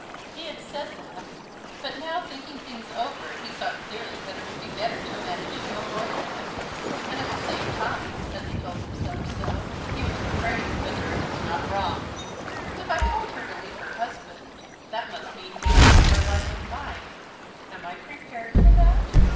He had said that, but now thinking things over he saw clearly that it would be better to manage to avoid that; and at the same time, as he told himself so, he was afraid whether it was not wrong. "If I told her to leave her husband, that must mean uniting her life with mine; am I prepared for that?